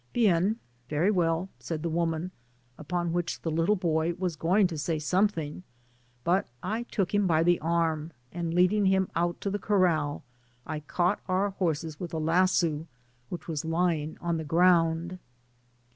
Bien^ (very well), said the woman, upon which the little boy was going to say something, but I took him by the arm, and leading him out to the corrdl, I caught our horses with a lasso which was lying on the ground.